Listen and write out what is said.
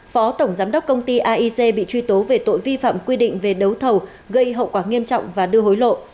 phó tổng giám đốc công ty aic bị truy tố về tội vi phạm quy định về đấu thầu gây hậu quả nghiêm trọng và đưa hối lộ